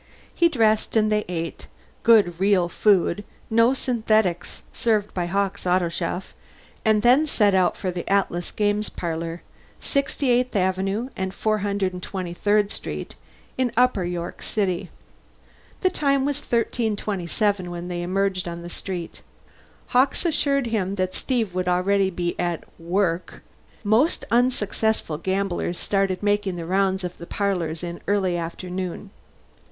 He dressed and they ate good real food, no synthetics, served by Hawkes' autochef and then set out for the Atlas Games Parlor, 68th Avenue and 423rd Street, in Upper York City. The time was 1327 when they emerged on the street. Hawkes assured him that Steve would already be at "work"; most unsuccessful gamblers started making the rounds of the parlors in early afternoon.